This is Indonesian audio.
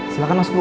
silakan masuk bu